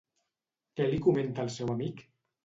Què li comenta el seu amic?